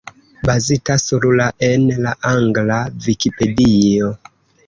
Bazita sur la en la angla Vikipedio.